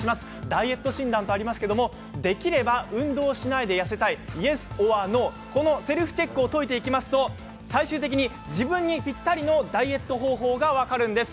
ダイエット診断とありますができれば運動しないで痩せたいイエスｏｒノー、このセルフチェックを解いていきますと最終的に自分にぴったりのダイエット方法が分かるんです。